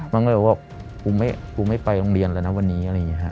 มันก็เลยบอกปูไม่ไปโรงเรียนแล้วนะวันนี้